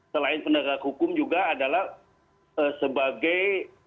selain penegak hukum juga adalah sebagai